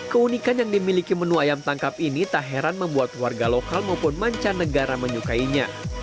keunikan yang dimiliki menu ayam tangkap ini tak heran membuat warga lokal maupun mancanegara menyukainya